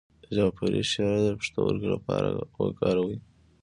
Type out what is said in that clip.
د جعفری شیره د پښتورګو لپاره وکاروئ